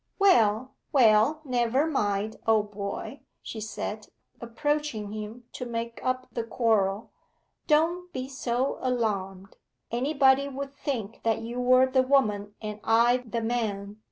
'Well, well, never mind, old boy,' she said, approaching him to make up the quarrel. 'Don't be so alarmed anybody would think that you were the woman and I the man.